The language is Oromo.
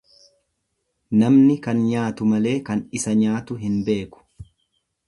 Namni kan nyaatu malee kan isa nyaatu hin beeku.